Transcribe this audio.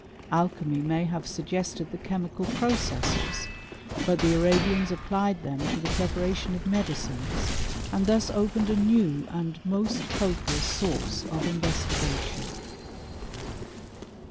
Alchymy may haire suggested the chemical processes — ^but the Arabians applied them to the preparation of medicines, and thus opened a new and most copious source of inves tigation.